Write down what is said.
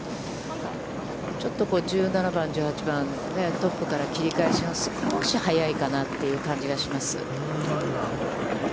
ちょっと１７番、１８番、トップから切り返しが少し早いかなという感じがします。